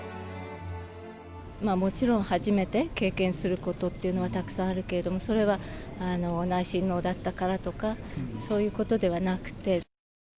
もちろん、初めて経験することというのはたくさんあるけれども、それは内親王だったからとか、そういうことではなくて。